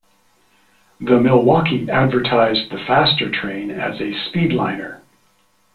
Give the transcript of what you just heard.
The Milwaukee advertised the faster train as a "speedliner".